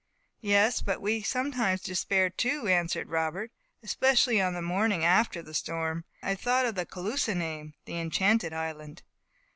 "Yes, but we sometimes despaired, too," answered Robert, "especially on the morning after the storm. I have thought of the Caloosa name the Enchanted Island."